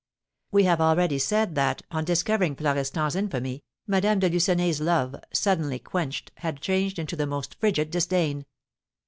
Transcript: We have already said that, on discovering Florestan's infamy, Madame de Lucenay's love, suddenly quenched, had changed into the most frigid disdain.